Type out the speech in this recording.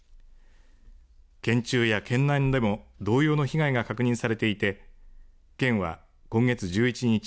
県中や県南でも同様の被害が確認されていて県は今月１１日